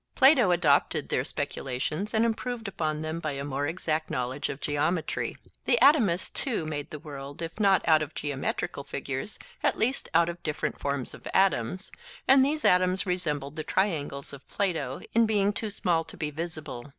Plato adopted their speculations and improved upon them by a more exact knowledge of geometry. The Atomists too made the world, if not out of geometrical figures, at least out of different forms of atoms, and these atoms resembled the triangles of Plato in being too small to be visible.